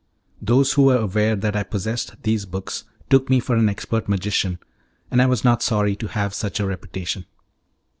Those who were aware that I possessed these books took me for an expert magician, and I was not sorry to have such a reputation.